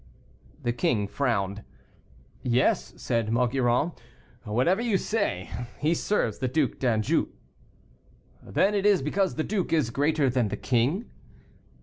The king frowned. "Yes," said Maugiron, "whatever you say, he serves the Duc d'Anjou." "Then it is because the duke is greater than the king."